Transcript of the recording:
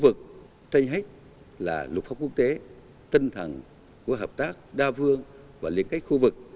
và đối tác trên hết là lục pháp quốc tế tinh thần của hợp tác đa vương và liên kết khu vực